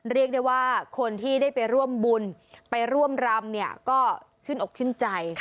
เรียกได้ว่าคนที่ได้ไปร่วมบุญไปร่วมรำเนี่ยก็ชื่นอกชื่นใจ